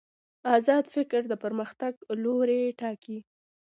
ازاد فکر د پرمختګ لوری ټاکي.